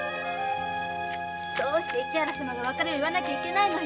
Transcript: なぜ市原様が別れを言わなきゃいけないの？